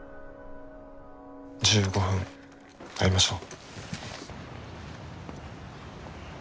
１５分会いましょう。